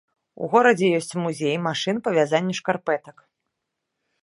У горадзе ёсць музей машын па вязання шкарпэтак.